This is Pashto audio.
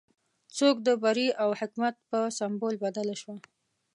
څوکه د بري او حکمت په سمبول بدله شوه.